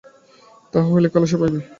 তাহা হইলে খালাস পাইবি।